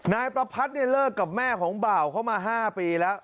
นายประพัทธ์เนี่ยเลิกกับแม่ของบ่าวเข้ามา๕ปีแล้ว